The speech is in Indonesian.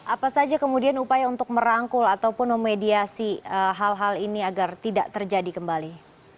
apa saja kemudian upaya untuk merangkul ataupun memediasi hal hal ini agar tidak terjadi kembali